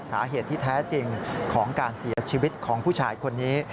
สาเหตุที่แท้จริงของการเสียชีวิตของผู้ชายคนนี้